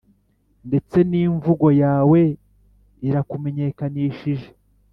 ndetse ni imvugo yawe irakumenyekanishije.